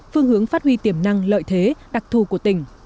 phương hướng phát huy tiềm năng lợi thế đặc thù của tỉnh